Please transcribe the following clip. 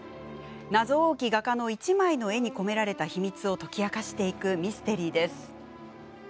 謎多き画家の１枚の絵に込められた秘密を解き明かしていくミステリーです。